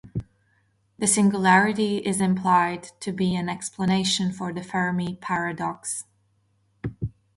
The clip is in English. The singularity is implied to be an explanation for the Fermi Paradox.